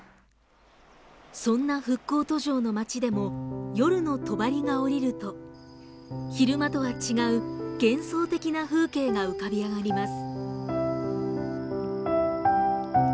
そんな復興途上の町でも夜のとばりが降りると、昼間とは違う幻想的な風景が浮かび上がります。